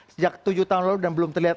sejak tujuh tahun lalu dan belum terlihat